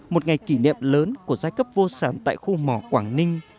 một ngày kỷ niệm lớn của giai cấp vô sản tại khu mỏ quảng ninh